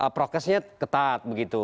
prokesnya ketat begitu